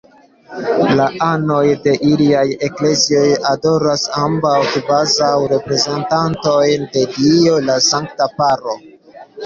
La anoj de ilia eklezio adoras ambaŭ kvazaŭ reprezentantojn de Dio: la Sankta Paro.